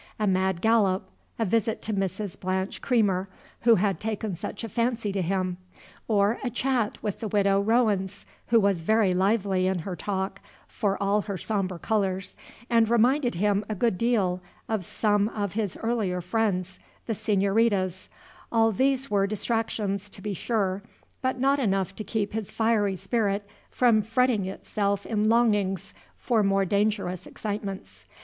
A mad gallop, a visit to Mrs. Blanche Creamer, who had taken such a fancy to him, or a chat with the Widow Rowens, who was very lively in her talk, for all her sombre colors, and reminded him a good deal of same of his earlier friends, the senoritas, all these were distractions, to be sure, but not enough to keep his fiery spirit from fretting itself in longings for more dangerous excitements.